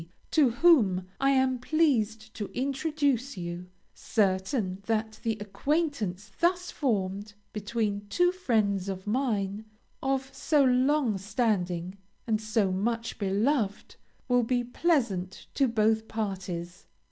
to whom I am pleased to introduce you, certain that the acquaintance thus formed, between two friends of mine, of so long standing and so much beloved, will be pleasant to both parties.